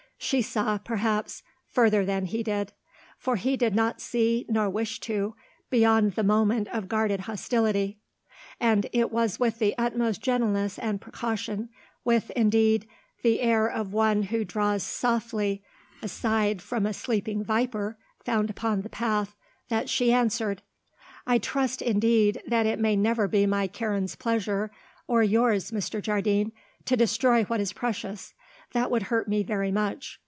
She saw, perhaps, further than he did; for he did not see, nor wish to, beyond the moment of guarded hostility. And it was with the utmost gentleness and precaution, with, indeed, the air of one who draws softly aside from a sleeping viper found upon the path, that she answered: "I trust, indeed, that it may never be my Karen's pleasure, or yours, Mr. Jardine, to destroy what is precious; that would hurt me very much.